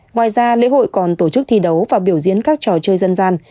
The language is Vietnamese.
ngoài ra lễ hội còn tổ chức thi đấu và biểu diễn các trò chơi dân gian